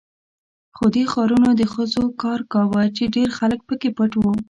خو دې غارونو د خزو کار کاوه، چې ډېر خلک پکې پټ وو.